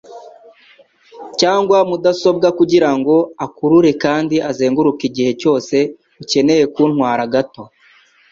cyangwa mudasobwa kugirango akurure kandi azenguruke igihe cyose ukeneye kuntwara gato.